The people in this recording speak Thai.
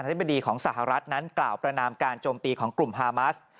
ธิบดีของสหรัฐนั้นกล่าวประนามการโจมตีของกลุ่มฮามัส